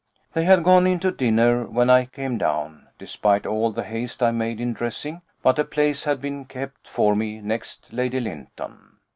They had gone into dinner when I came down, despite all the haste I made in dressing; but a place had been kept for me next Lady Lynton.